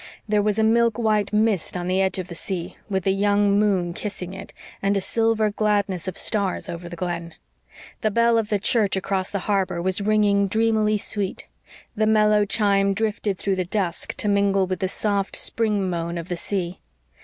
There was a milk white mist on the edge of the sea, with a young moon kissing it, and a silver gladness of stars over the Glen. The bell of the church across the harbor was ringing dreamily sweet. The mellow chime drifted through the dusk to mingle with the soft spring moan of the sea.